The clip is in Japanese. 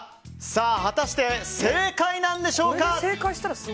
果たして、正解なんでしょうか。